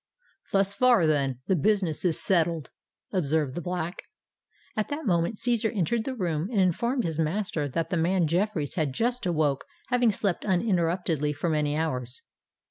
"Thus far, then, the business is settled," observed the Black. At that moment Cæsar entered the room, and informed his master that the man Jeffreys had just awoke, having slept uninterruptedly for many hours.